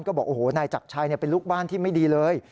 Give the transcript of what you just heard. ก็บอกโอ้โหนายจักรชัยเป็นลูกบ้านที่ไม่ดีเลย